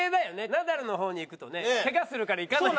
ナダルの方にいくとねケガするから行かない。